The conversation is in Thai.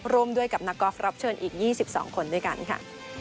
ร่วมด้วยกับนักกอล์ฟรับเชิญอีก๒๒คนด้วยกันค่ะ